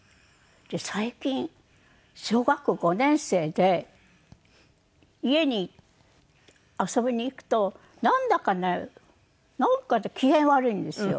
最近小学校５年生で家に遊びに行くとなんだかねなんかね機嫌悪いんですよ。